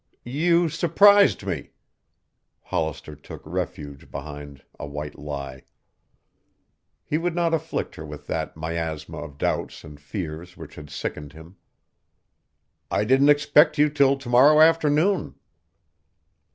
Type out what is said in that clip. "You surprised me," Hollister took refuge behind a white lie. He would not afflict her with that miasma of doubts and fears which had sickened him. "I didn't expect you till to morrow afternoon."